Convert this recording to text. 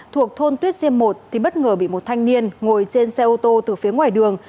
thuộc thôn tuyết diêm một thì bất ngờ bị một thanh niên ngồi trên xe ô tô từ phía ngoài đường